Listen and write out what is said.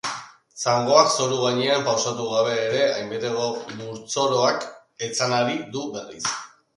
Zangoak zoru gainean pausatu gabe ere, hainbateko burtzoroak etzanarazi du berriz.